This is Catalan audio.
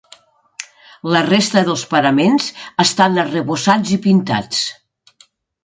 La resta dels paraments estan arrebossats i pintats.